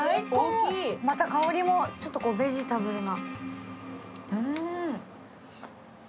また、香りもちょっとベジタブルな。